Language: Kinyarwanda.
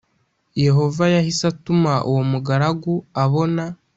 yehova yahise atuma uwo mugaragu abona